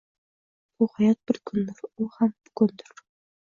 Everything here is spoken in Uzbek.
Bu hayot bir kundur u ham bugundir.